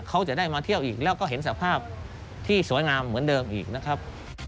เขาจะได้มาเที่ยวอีกแล้วก็เห็นสภาพที่สวยงามเหมือนเดิมอีกนะครับ